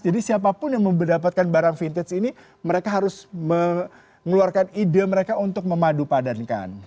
mereka harus mengeluarkan barang vintage ini mereka harus mengeluarkan ide mereka untuk memadupadankan